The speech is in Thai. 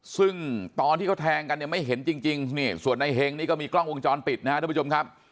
ซึ่งตอนที่เขาแทงกันเนี่ยไม่เห็นจริงนี่ส่วนในเฮงนี่ก็มีกล้องวงจรปิดนะครับทุกผู้ชมครับ